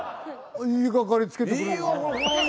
言いがかりつけてくるよな。